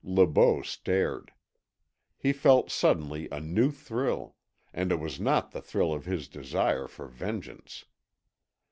Le Beau stared. He felt suddenly a new thrill, and it was not the thrill of his desire for vengeance.